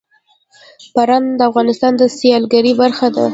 باران د افغانستان د سیلګرۍ برخه ده.